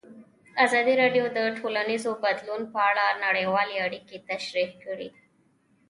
ازادي راډیو د ټولنیز بدلون په اړه نړیوالې اړیکې تشریح کړي.